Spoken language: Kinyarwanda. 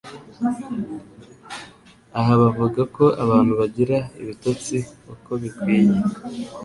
Aha bavuga ko abantu bagira ibitotsi uko bikwiye